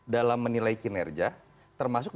dalam menilai kinerja termasuk